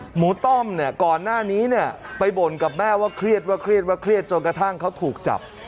หมูต้อมก่อนหน้านี้ไปบ่นกับแม่ว่าเครียดจนกระทั่งเขาถูกจับ